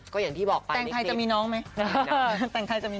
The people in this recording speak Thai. ก็อย่างที่บอกไปแต่งไทยจะมีน้องไหม